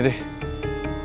ya udah gini deh